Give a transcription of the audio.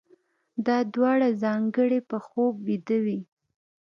دا دواړه ځانګړنې په خوب ويدې وي.